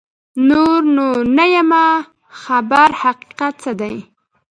نور نو نه یمه خبر حقیقت څه دی